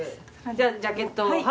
じゃあジャケットを。